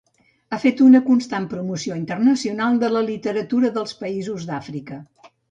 Ha fet una constant promoció internacional de la literatura dels països d'Àfrica.